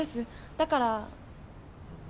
だから。